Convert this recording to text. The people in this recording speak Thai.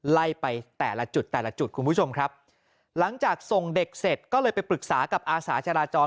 ไล่ไปแต่ละจุดแต่ละจุดคุณผู้ชมครับหลังจากส่งเด็กเสร็จก็เลยไปปรึกษากับอาสาจราจร